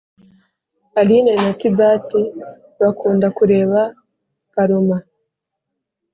Aline na Thibbert bakunda kureba paloma